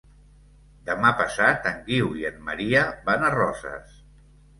Demà passat en Guiu i en Maria van a Roses.